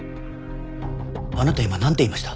あなた今なんて言いました？